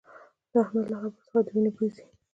د احمد له خبرو څخه د وينې بوي ځي